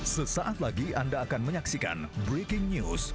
sesaat lagi anda akan menyaksikan breaking news